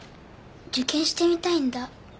受験してみたいんだ僕。